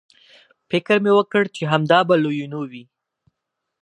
فکر مې وکړ چې همدا به لویینو وي.